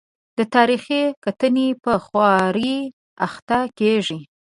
د تاریخي کتنې په خوارۍ اخته کېږي.